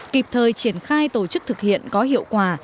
kịp thời triển khai tổ chức thực hiện có hiệu quả